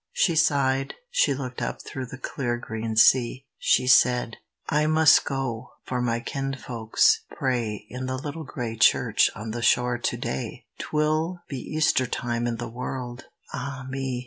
She sighed, she looked up through the clear green sea; She said: "I must go, for my kinsfolk pray In the little gray church on the shore to day. 'Twill be Easter time in the world, ah me!